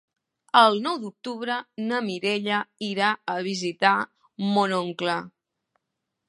El nou d'octubre na Mireia irà a visitar mon oncle.